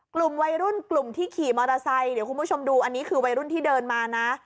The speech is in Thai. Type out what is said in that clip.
กลุ่มวัยรุ่นกลุ่มที่ขี่มอเตอร์ไซค์เดี๋ยวคุณผู้ชมดูอันนี้คือวัยรุ่นที่เดินมานะ